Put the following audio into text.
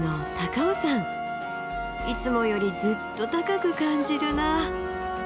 いつもよりずっと高く感じるなあ。